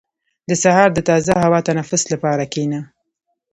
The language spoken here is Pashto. • د سهار د تازه هوا تنفس لپاره کښېنه.